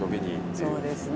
そうですね。